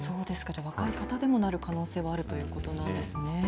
じゃあ、若い方でもなる可能性はあるということなんですね。